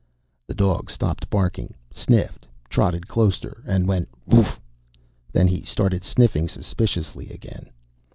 The dog stopped barking, sniffed, trotted closer, and went "Rrrooff!" Then he started sniffing suspiciously again.